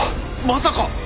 まさか！